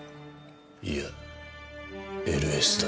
いやＬＳだ。